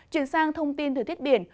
chuyển sang thông tin từ thiết biển